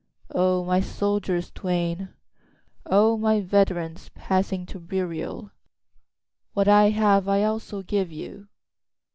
O my soldiers twain! O my veterans, passing to burial! What I have I also give you.